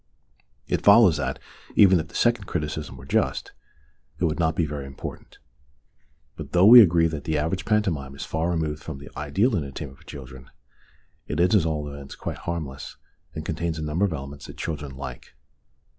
It follows that, even if the second criticism were just, 212 DRURY LANE AND THE CHILDREN 213 it would not be very important ; but though we agree that the average pantomime is far removed from the ideal entertainment for children, it is at all events quite harmless, and contains a number of elements that children like.